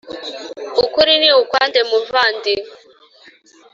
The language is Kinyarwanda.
ukuri ni ukwande muvandi